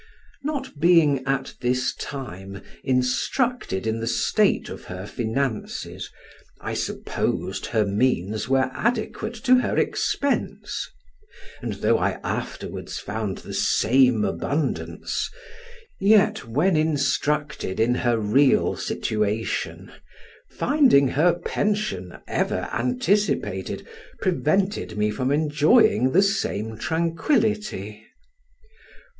Not being at this time instructed in the state of her finances, I supposed her means were adequate to her expense; and though I afterwards found the same abundance, yet when instructed in her real situation, finding her pension ever anticipated, prevented me from enjoying the same tranquility.